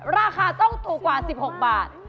ราคาต้องถูกกว่า๑๖บาท